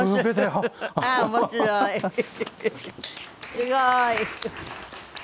すごい！